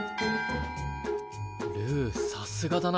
ルーさすがだな。